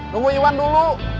tunggu iwan dulu